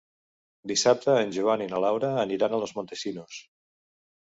Dissabte en Joan i na Laura aniran a Los Montesinos.